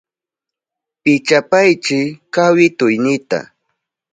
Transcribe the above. Pichapaychi kawituynita.